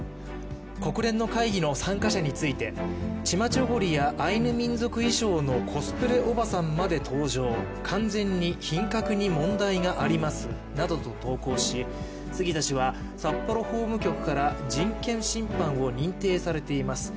国連の会議の参加者についてチマチョゴリやアイヌ民族衣装のコスプレおばさんまで登場、完全に品格に問題がありますなどと投稿し杉田氏は、札幌法務局から人権侵犯を認定されています。